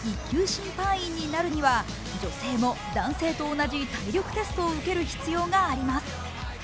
審判員になるには女性も男性と同じ体力テストを受ける必要があります。